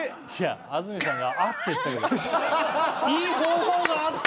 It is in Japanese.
安住さんが「あっ！」って言ったいい方法があった！